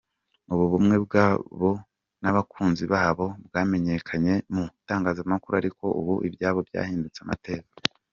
Ubumwe bwabo n’abakunzi babo, bwamamaye mu itangazamakuru ariko ubu ibyabo byahindutse amateka.